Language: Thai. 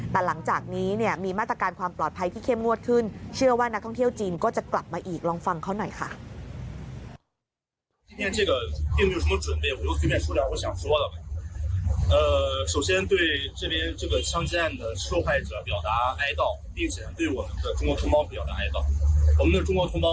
แต่หลังจากนี้เนี่ยมีมาตรการความปลอดภัยที่เข้มงวดขึ้นเชื่อว่านักท่องเที่ยวจีนก็จะกลับมาอีกลองฟังเขาหน่อยค่ะ